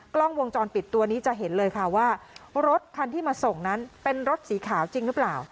กล้องวงจรปิดตัวนี้จะเห็นเลยค่ะว่ารถคันที่มาส่งนั้นเป็นรถสีขาวจริงหรือเปล่า